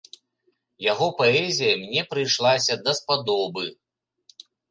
Яго паэзія мне прыйшлася даспадобы.